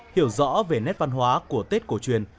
hiểu rõ về nét văn hóa của tết cổ truyền